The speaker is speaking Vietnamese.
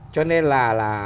cho nên là